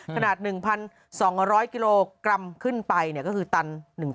ขนาด๑๒๐๐กิโลกรัมขึ้นไปก็คือตัน๑๐๐